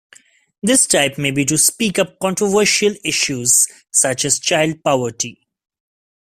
This type may be to speak up controversial issues such as child poverty.